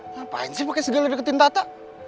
ngapain sih pake segala deketin tata